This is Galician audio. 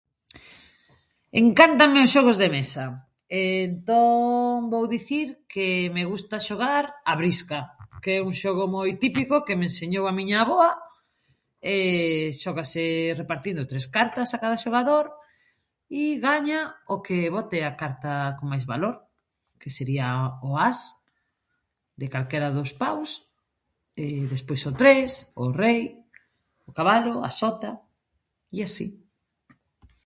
Encántanme os xogos de mesa, entón vou dicir que me gusta xogar a brisca, que é un xogo moi típico que me enseñou a miña avoa. Xógase repartindo tres cartas a cada xogador i gaña o que bote a carta con máis valor que sería o as de calquera dos paus, despois o tres, o rei, o cabalo, a sota e así.